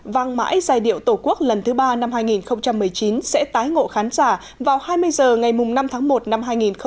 vang mãi giai điệu tổ quốc lần thứ ba năm hai nghìn một mươi chín sẽ tái ngộ khán giả vào hai mươi h ngày năm tháng một năm hai nghìn hai mươi